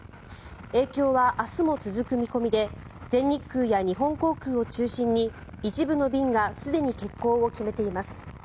影響は明日も続く見込みで全日空や日本航空を中心に一部の便がすでに欠航を決めています。